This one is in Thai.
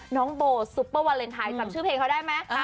น้องโบซุปเปอร์วาเลนไทยจำชื่อเพลงเขาได้ไหม